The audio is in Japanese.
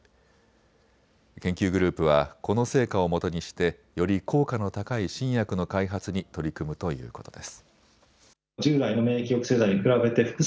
研究グループはこの成果をもとにしてより効果の高い新薬の開発に取り組むということです。